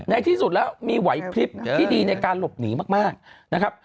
ที่สุดแล้วมีไหวพลิบที่ดีในการหลบหนีมากนะครับ